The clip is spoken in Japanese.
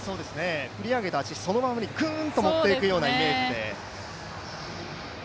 振り上げた足をそのままぐーんと持っていくような感じで。